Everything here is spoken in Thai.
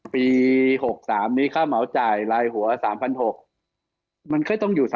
ปี๖๓นี้ค่าเหมาจ่ายลายหัว๓๖๐๐มันก็ต้องอยู่๓๐